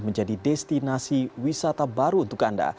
menjadi destinasi wisata baru untuk anda